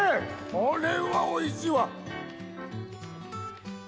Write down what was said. これはおいしいわ。